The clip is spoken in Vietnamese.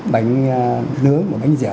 bánh nướng và bánh dẻo